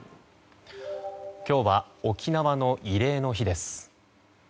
今日は沖縄の慰霊の日です。